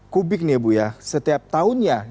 kubik nih ibu ya setiap tahunnya